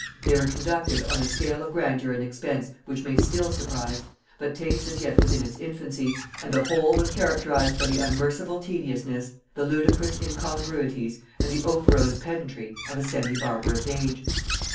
They were conducted on a scale of grandeur and expense which may still surprise; but taste as yet was in its infancy, and the whole was characterized by the unmerciful tediousness, the ludicrous incongruities, and the operose pedantry of a semi barbarous age.